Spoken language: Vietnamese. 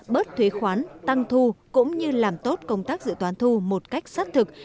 bớt thuế khoán tăng thu cũng như làm tốt công tác dự toán thu một cách sát thực